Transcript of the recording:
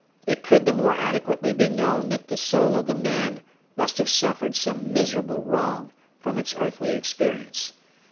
It could the more adequately be known that the soul of the man must have suffered some miserable wrong, from its earthly experience.